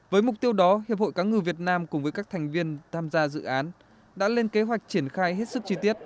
với mục tiêu đó hiệp hội cá ngừ việt nam cùng với các thành viên tham gia dự án đã lên kế hoạch triển khai hết sức chi tiết